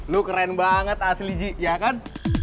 lu keren banget asli ji ya kan